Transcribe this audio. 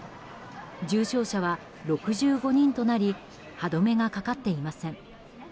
重症者は６５人となり歯止めがかかっていません。